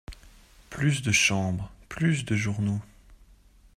Plus de Chambre, plus de journaux!